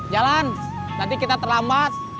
jalan nanti kita terlambat